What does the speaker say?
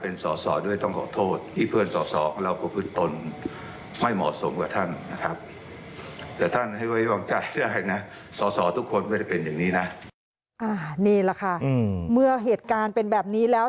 นี่แหละค่ะเมื่อเหตุการณ์เป็นแบบนี้แล้ว